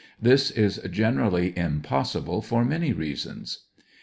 This is generally impossible, for many reasons.